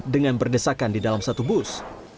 dengan berdesakan di dalam satu bus